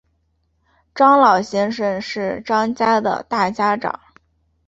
张老先生是张家的大家长